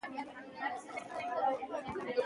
زما له زوره ابادیږي لوی ملکونه